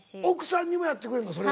奥さんにもやってくれるの？